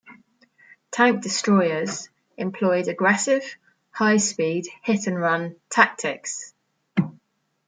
Tank destroyers employed aggressive, high-speed hit-and-run tactics.